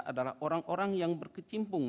adalah orang orang yang berkecimpung